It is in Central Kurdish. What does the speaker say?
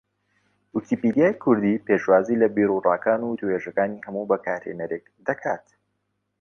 ویکیپیدیای کوردی پێشوازی لە بیروڕاکان و وتووێژەکانی ھەموو بەکارھێنەرێک دەکات